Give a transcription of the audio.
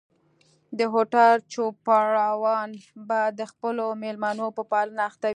د هوټل چوپړوالان به د خپلو مېلمنو په پالنه اخته وو.